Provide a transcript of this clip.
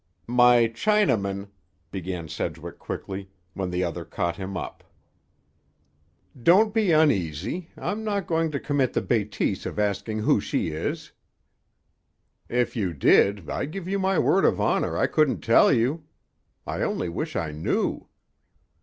"My Chinaman—" began Sedgwick quickly, when the other caught him up. "Don't be uneasy. I'm not going to commit the bêtise of asking who she is." "If you did, I give you my word of honor I couldn't tell you. I only wish I knew!"